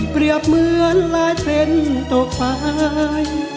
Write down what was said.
เปรียบเหมือนลายเซ็นตกไป